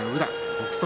北勝